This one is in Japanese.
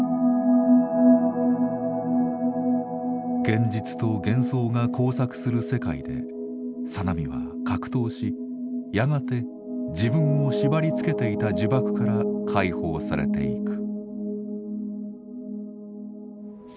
現実と幻想が交錯する世界で小波は格闘しやがて自分を縛りつけていた呪縛から解放されていく。